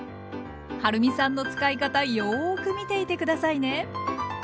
はるみさんの使い方よく見ていて下さいね。